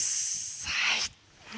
はい。